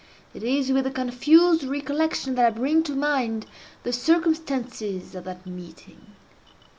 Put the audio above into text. It is with a confused recollection that I bring to mind the circumstances of that meeting.